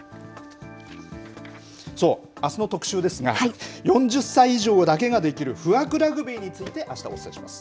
あすの特集ですが、４０歳以上だけができる不惑ラグビーについてあした、お伝えします。